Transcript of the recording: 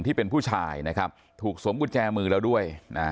ที่เป็นผู้ชายนะครับถูกสวมกุญแจมือแล้วด้วยนะ